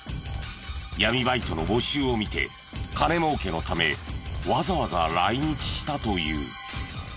闇バイトの募集を見て金儲けのためわざわざ来日したという。